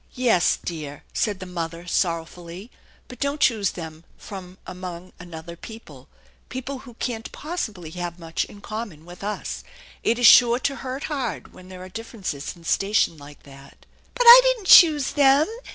"Yes, dear/' said the mother sorrowfully, "but don't choose them from among another people. People who can't possibly have much in common with us. It is sure to hurt hard when there are differences in station like that." " But I didn't choose them.